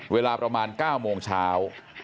เวลาประมาณ๙โมงเช้า